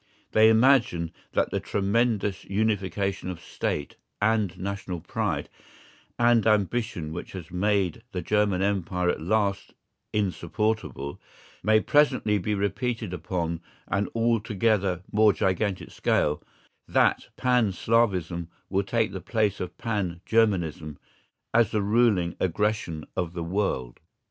They imagine that the tremendous unification of State and national pride and ambition which has made the German Empire at last insupportable, may presently be repeated upon an altogether more gigantic scale, that Pan Slavism will take the place of Pan Germanism, as the ruling aggression of the world.